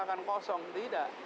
akan kosong tidak